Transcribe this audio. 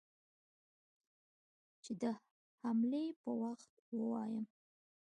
چې د حملې پر وخت يې ووايم.